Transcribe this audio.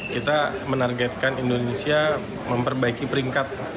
kita menargetkan indonesia memperbaiki peringkat